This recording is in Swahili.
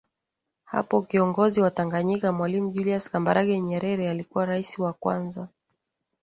Hapo kiongozi wa Tanganyika Mwalimu Julius Kambarage Nyerere alikuwa Rais wa kwanza